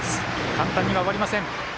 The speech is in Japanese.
簡単には終わりません。